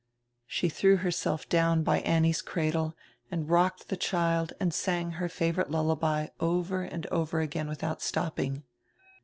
She direw herself down by Annie's cradle, and rocked die child and sang her favorite lullaby over and over again widiout stopping.